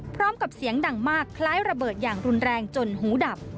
พร้อมกับเสียงดังมากคล้ายระเบิดอย่างรุนแรงจนหูดับ